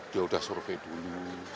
dia sudah survei dulu